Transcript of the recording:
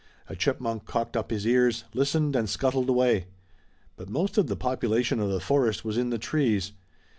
A chipmunk cocked up his ears, listened and scuttled away. But most of the population of the forest was in the trees.